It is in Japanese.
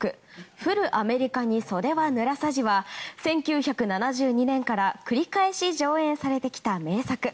「ふるあめりかに袖はぬらさじ」は１９７２年から繰り返し上演されてきた名作。